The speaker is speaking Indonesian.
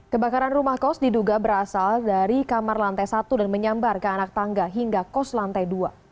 kebakaran rumah kos diduga berasal dari kamar lantai satu dan menyambar ke anak tangga hingga kos lantai dua